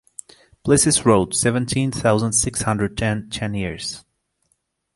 Plessis road, seventeen thousand six hundred ten, Chaniers